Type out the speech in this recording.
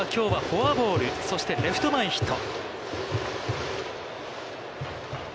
佐藤はきょうはフォアボール、そして、レフト前ヒット。